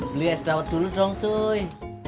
beli es daun dulu dong cuy